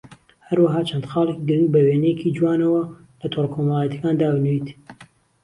هەروەها چەند خاڵێکی گرنگ بە وێنەیەکی جوانەوە لە تۆڕە کۆمەڵایەتییەکان دابنێیت